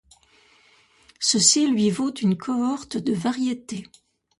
Ceci lui vaut une cohorte de variétés.